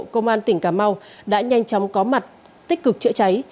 công an tỉnh cà mau đã nhanh chóng có mặt tích cực chữa cháy